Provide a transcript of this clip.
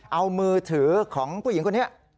เอามือถือของผู้หญิงคนนี้